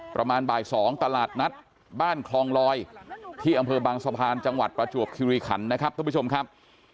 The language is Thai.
ประมาณบ่าย๒ตลาดนัดบ้านคลองลอยที่อำเภอบางสะพานจังหวัดประจวบคิริขันนะครับทุกผู้ชมครับ